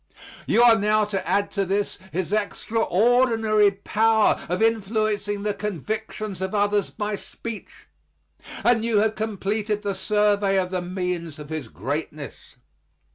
You are now to add to this his extraordinary power of influencing the convictions of others by speech, and you have completed the survey of the means of his greatness.